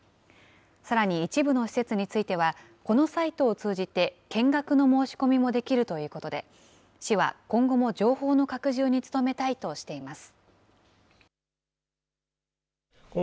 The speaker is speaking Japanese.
さらに一部の施設については、このサイトを通じて見学の申し込みもできるということで、市は今後も情報の拡充に努めたいとしています。